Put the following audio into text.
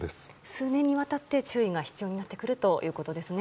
数年にわたって注意が必要になってくるということですね。